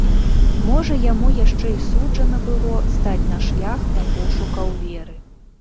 Можа яму яшчэ і суджана было стаць на шлях да пошукаў веры.